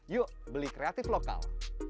yuk beli kreatif lokal